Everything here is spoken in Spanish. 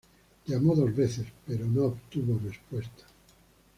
Llamó dos veces, pero no obtuvo respuesta.